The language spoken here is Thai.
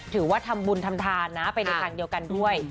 ถือว่าทำบุญทำทานนะไปในทางเดียวกันด้วย